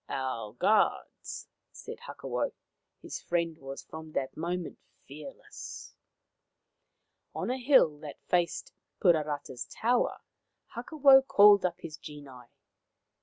" Our guards," said Hakawau. His friend was from that moment fearless. On a hill that faced Puarata's tower Hakawau called up his genii.